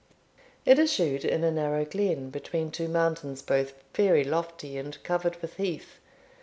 It issued in a narrow glen, between two mountains, both very lofty and covered with heath.